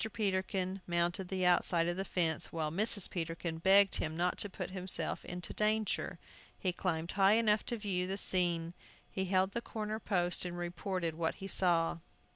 Peterkin mounted the outside of the fence, while Mrs. Peterkin begged him not to put himself in danger. He climbed high enough to view the scene. He held to the corner post and reported what he saw.